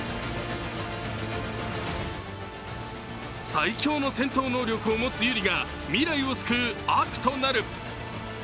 最強の戦闘能力を持つ百合が未来を救う悪となる。